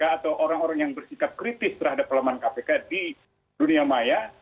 atau orang orang yang bersikap kritis terhadap pelemahan kpk di dunia maya